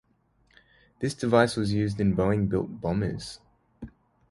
This device was used in Boeing-built bombers.